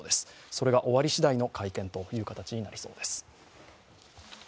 それが終わりしだいの会見という形になりそうです。